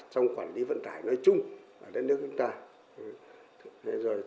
trong quản lý vận tải nói chung ở đất nước vận tải